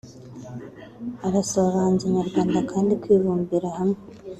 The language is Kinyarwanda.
arasaba abahanzi nyarwanda kandi kwibumbira hamwe